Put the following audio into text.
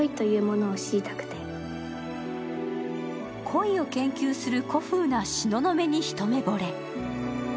恋を研究する古風な東雲に一目ぼれ。